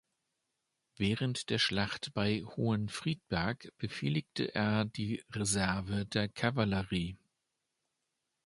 Während der Schlacht bei Hohenfriedberg befehligte er die Reserve der Kavallerie.